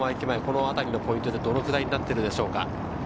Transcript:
前、このあたりのポイントでどのくらいになっているでしょうか？